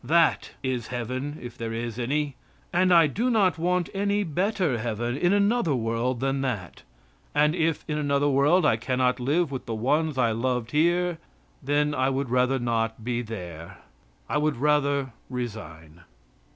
That is Heaven, if there is any and I do not want any better Heaven in another world than that, and if in another world I can not live with the ones I loved here, then I would rather not be there. I would rather resign.